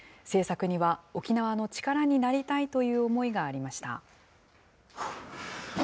制作には沖縄の力になりたいという思いがありました。